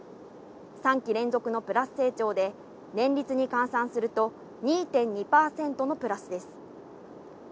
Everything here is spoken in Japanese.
３期連続のプラス成長で年率に換算すると２．２％のプラスです。